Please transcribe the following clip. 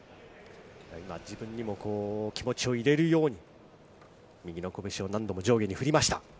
今、自分にも気持ちを入れるように、右の拳を何度も上下に振りました。